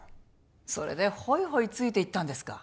それでホイホイついていったんですか。